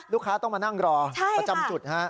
ลูกค้าต้องมานั่งรอประจำจุดฮะ